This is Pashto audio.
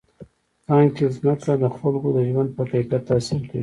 افغانستان کې ځمکه د خلکو د ژوند په کیفیت تاثیر کوي.